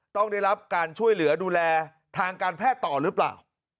ต้องได้รับการช่วยเหลือดูแลทางการแพทย์ต่อหรือเปล่า